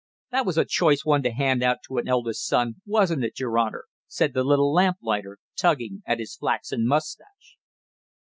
"That was a choice one to hand out to an eldest son, wasn't it, your Honor?" said the little lamplighter, tugging at his flaxen mustache.